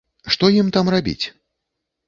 Што ім там рабіць?